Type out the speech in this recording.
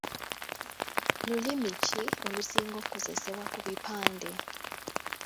Lulimi ki olusinga okukozesebwa ku bipande?